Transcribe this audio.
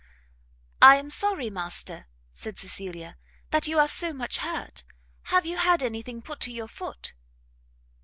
"I am sorry, master," said Cecilia, "that you are so much hurt. Have you had anything put to your foot?"